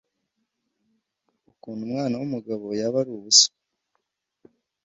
Ukuntu umwana wumugabo yaba ari ubusa